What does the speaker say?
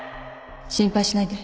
心配しないで。